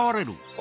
あ。